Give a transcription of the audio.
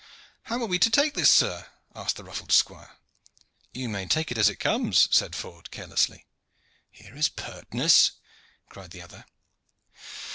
"How are we to take this, sir?" asked the ruffling squire. "You may take it as it comes," said Ford carelessly. "Here is pertness!" cried the other.